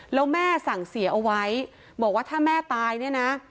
แล้วแม่สั่งเสียเอาไว้บอกว่าถ้าแม่ตายเนี่ยนะ